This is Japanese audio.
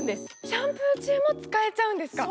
シャンプー中も使えちゃうんですか。